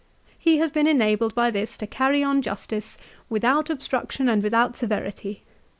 " He has been enabled by this to carry on justice without obstruction and without severity.